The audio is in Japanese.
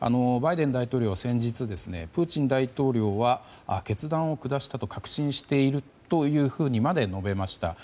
バイデン大統領は先日プーチン大統領は決断を下したと確信しているとまで述べました。